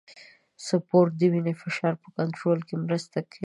سپورت د وینې فشار په کنټرول کې مرسته کوي.